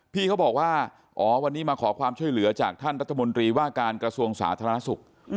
พี่เขาบอกว่าอ๋อวันนี้มาขอความช่วยเหลือจากท่านรัฐมนตรีว่าการกระทรวงสาธารณสุข